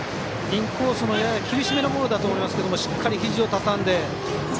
インコースの、やや厳しめのボールだと思うんですけどしっかりひじをたたんで。